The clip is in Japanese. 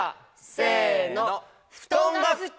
せの。